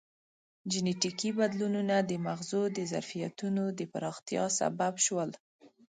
جینټیکي بدلونونه د مغزو د ظرفیتونو د پراختیا سبب شول.